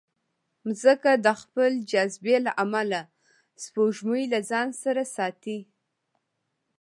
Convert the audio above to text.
مځکه د خپل جاذبې له امله سپوږمۍ له ځانه سره ساتي.